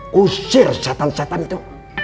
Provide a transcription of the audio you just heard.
kusir satan satan itu